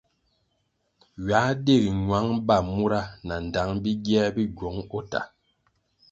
Ywā dig ñwang ba mura nandtang bingier bi gywong o tah.